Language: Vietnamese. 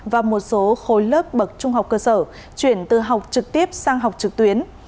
và một số khối lớp bậc trung học cơ sở chuyển từ học trực tiếp sang học trực tuyến